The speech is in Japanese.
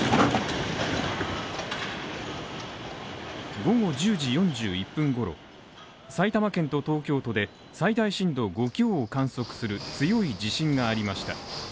午後１０時４１分ごろ、埼玉県と東京都で最大震度５強を観測する強い地震がありました。